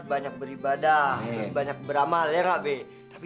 jangan berkenaan aku